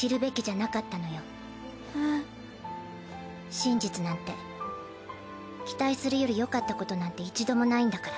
真実なんて期待するよりよかったことなんて一度もないんだから。